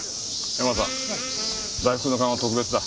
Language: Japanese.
ヤマさん大福の勘は特別だ。